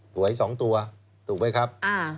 ถูกมึงให้๒ตัวต้องไปครับ